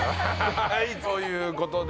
はいということで。